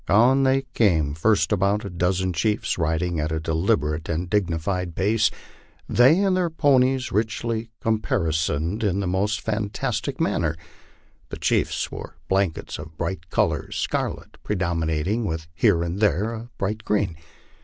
On they came, first about a dozen chiefs, riding at a deliberate and digni fied puce, they and their ponies richly caparisoned in the most fantastic man ner. The chiefs wore blankets of bright colors, scarlet predominating, with here and there a bright green.